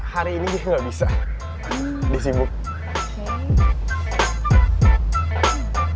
hari ini dia nggak bisa disibuk